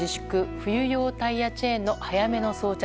冬用タイヤチェーンの早めの装着。